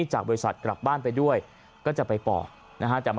เจ้าตัวอ้างว่าปกติแล้ว